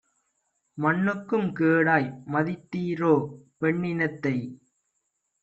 மண்ணுக்கும் கேடாய் மதித்தீரோ பெண்ணினத்தை?